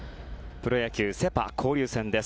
プロ野球セ・パ交流戦です。